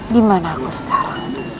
dimana aku sekarang